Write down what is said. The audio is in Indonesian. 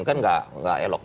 kan gak elok juga